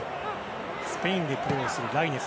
スペインでプレーするライネス。